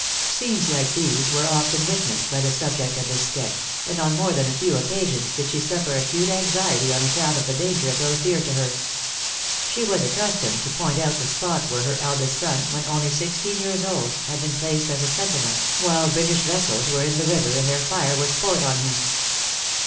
Scenes like these were often witnessed by the subject of this sketch, and on more than a few occasions did she suffer acute anxiety on account of the danger of those dear to her. She was accustomed to point out the spot where her eldest son, when only sixteen years old, had been placed as a sentinel, while British vessels were in the river, and their fire was poured on him.